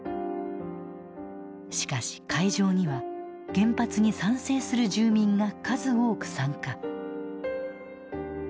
しかし会場には原発に賛成する住民が数多く参加。